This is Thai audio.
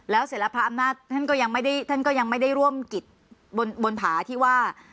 แล้วเสร็จแล้วพระอำนาจท่านก็ยังไม่ได้ท่านก็ยังไม่ได้ร่วมกิจบนผาที่ว่า